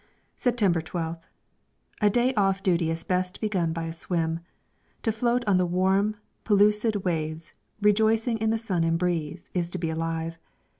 September 12th. A day off duty is best begun by a swim. To float on the warm, pellucid waves, rejoicing in the sun and breeze, is to be alive.